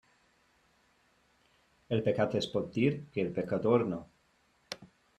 El pecat es pot dir, que el pecador no.